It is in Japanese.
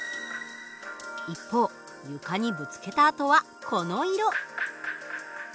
一方床にぶつけた後はこの色。